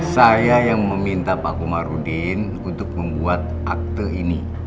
saya yang meminta pak komarudin untuk membuat akte ini